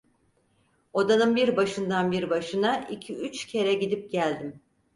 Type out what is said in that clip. Odanın bir başından bir başına iki üç kere gidip geldim.